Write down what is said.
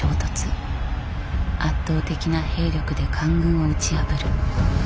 圧倒的な兵力で官軍を打ち破る。